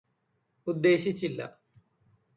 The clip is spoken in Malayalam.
ഉദ്ദേശിച്ചില്ല